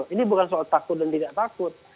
ini bukan soal takut dan tidak takut